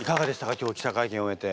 今日記者会見を終えて。